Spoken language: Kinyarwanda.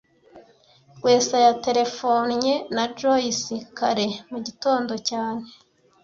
Rwesa yaterefonnye na Joyce kare mu gitondo cyane